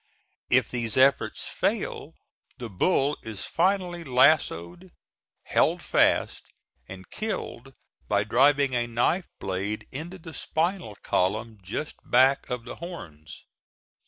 If these efforts fail the bull is finally lassoed, held fast and killed by driving a knife blade into the spinal column just back of the horns.